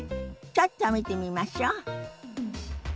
ちょっと見てみましょ。